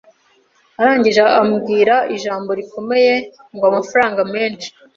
Arangije ambwira ijambo rikomeye ngo amafaranga menshi